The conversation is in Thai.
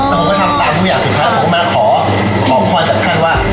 แล้วผมก็ทำตามทุกอย่างสุดท้ายผมก็มาขอขอพรจากท่านว่า